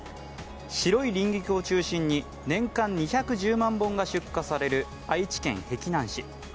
白い輪菊を中心に年間２１０万本が出荷される愛知県碧南市。